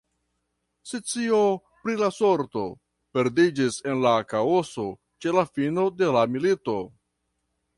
Scio pri la sorto perdiĝis en la kaoso ĉe la fino de la milito.